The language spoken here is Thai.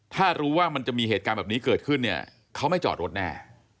ถ้ารู้ว่ามันจะมีเหตุการณ์แบบนี้เกิดขึ้นเนี่ยเขาไม่จอดรถแน่